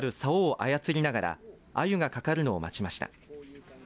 操りながらアユがかかるのを待ちました。